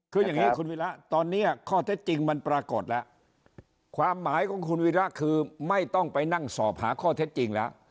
คืออย่างนี้คุณวิระตอนนี้ข้อเท็จจริงมันปรากฏแล้วความหมายของคุณวีระคือไม่ต้องไปนั่งสอบหาข้อเท็จจริงแล้ว